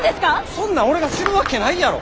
そんなん俺が知るわけないやろ！